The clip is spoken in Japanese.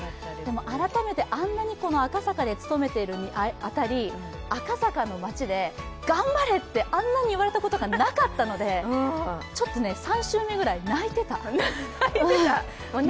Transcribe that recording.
改めて、あんなに赤坂に勤めている辺り、赤坂の街で「頑張れ」ってあんなに言われたことがなかったのでちょっと３周目ぐらい、泣いてた。